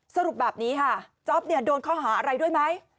สรุปแบบนี้ค่ะจ๊อปเนี่ยโดนข้อหาอะไรด้วยไหม